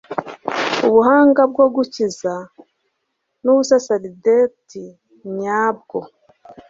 ubuhanga bwo gukiza nubusaserdoti nyabwo